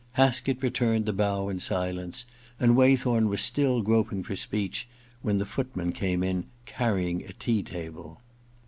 Haskett returned the bow in silence, and Waythorn was still groping for speech when the footman came in carrying a tea table.